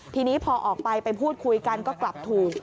ทีนี้พอออกไปไปพูดคุยกันก็กลับถูก